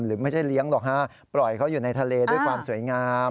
ไม่ใช่เลี้ยงหรอกฮะปล่อยเขาอยู่ในทะเลด้วยความสวยงาม